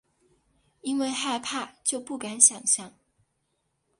因为害怕就不敢想像